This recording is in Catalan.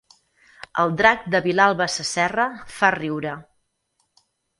El drac de Vilalba Sasserra fa riure